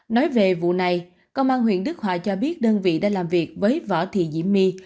nói về vụ này công an huyện đức hòa cho biết đơn vị đã làm việc với võ thị diễm my